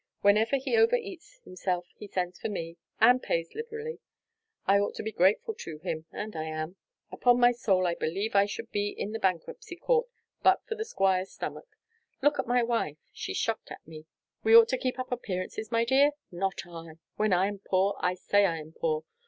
Whenever he overeats himself he sends for me; and pays liberally. I ought to be grateful to him, and I am. Upon my soul, I believe I should be in the bankruptcy court but for the Squire's stomach. Look at my wife! She's shocked at me. We ought to keep up appearances, my dear? Not I! When I am poor, I say I am poor.